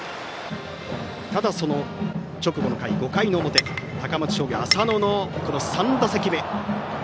ただ、その直後の回、５回の表高松商業、浅野の３打席目。